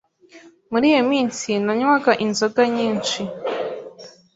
Muri iyo minsi nanywaga inzoga nyinshi.